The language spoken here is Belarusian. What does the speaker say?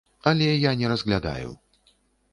Але я не разглядаю.